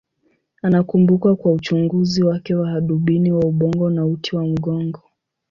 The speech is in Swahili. Anakumbukwa kwa uchunguzi wake wa hadubini wa ubongo na uti wa mgongo.